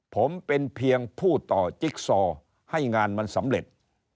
ผมเป็นเพียงผู้ต่อจิ๊กซอให้งานมันสำเร็จ